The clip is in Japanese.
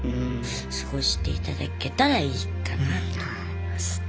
過ごしていただけたらいいかなと思いますね。